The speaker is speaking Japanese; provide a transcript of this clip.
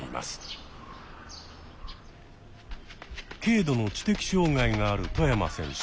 軽度の知的障害がある外山選手。